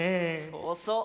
そうそう。